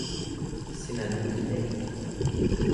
sina lukin e ijo.